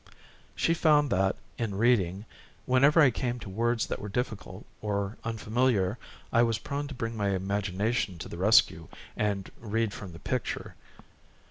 She found that, in reading, whenever I came to words that were difficult or unfamiliar, I was prone to bring my imagination to the rescue and read from the picture.